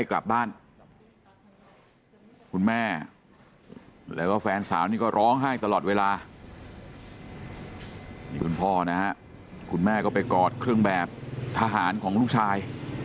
แล้วก็ไปกอดเครื่องแบบทหารของลูกชาย